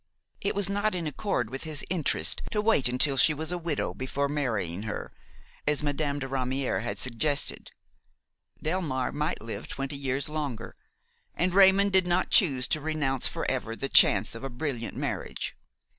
It was not in accord with his interest to wait until she was a widow before marrying her, as Madame de Ramière had suggested. Delmare might live twenty years longer, and Raymon did not choose to renounce forever the chance of a brilliant marriage.